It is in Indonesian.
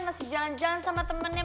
masih jalan jalan sama temennya